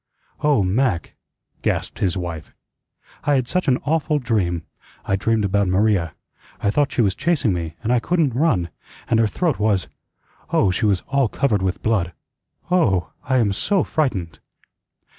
"Oh, Mac," gasped his wife, "I had such an awful dream. I dreamed about Maria. I thought she was chasing me, and I couldn't run, and her throat was Oh, she was all covered with blood. Oh h, I am so frightened!"